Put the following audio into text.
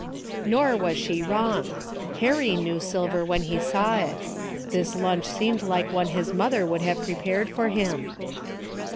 . Hor was she wrong. Harry knew silver 204 A DAILY BATE.'' when he saw it. This lunch seemed like one his mother would have prepared for him.